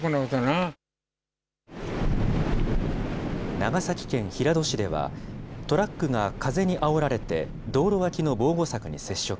長崎県平戸市では、トラックが風にあおられて、道路脇の防護柵に接触。